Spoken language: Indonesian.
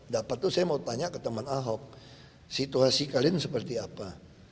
dapat tuh saya mau tanya ke teman ahok situasi kalian seperti apa